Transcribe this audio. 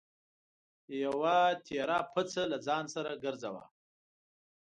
یوه تېره پڅه له ځان سره ګرځوه.